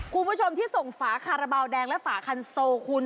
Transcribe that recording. คุณผู้ชมที่ส่งฝาคาราบาลแดงและฝาคันโซคุณ